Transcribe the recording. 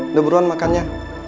udah buruan makannya